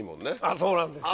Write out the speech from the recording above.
そうなんですよ。